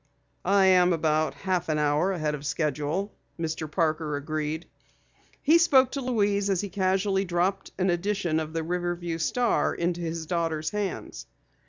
"I am about half an hour ahead of schedule," Mr. Parker agreed. He spoke to Louise as he casually dropped an edition of the Riverview Star into his daughter's hands.